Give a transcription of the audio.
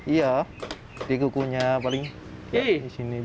iya di kukunya paling di sini